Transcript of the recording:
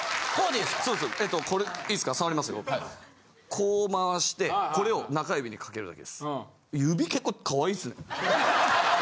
こう回してこれを中指にかけるだけです。